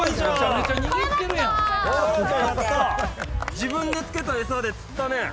自分で付けた餌で釣ったね。